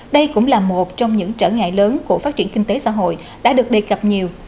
đây cũng là một trong những trở ngại lớn của phát triển kinh tế xã hội đã được đề cập nhiều